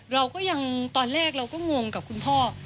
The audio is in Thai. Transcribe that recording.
เราก็ยังตอนแรกเราก็งงกับคุณพ่อ